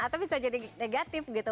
atau bisa jadi negatif gitu